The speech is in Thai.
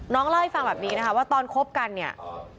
เล่าให้ฟังแบบนี้นะคะว่าตอนคบกันเนี่ย